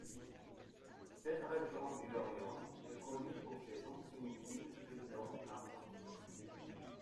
Cette région du Laurion est connue pour ses anciennes mines de plomb argentifère.